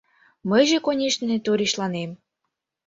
Мыйже, конешне, торешланем.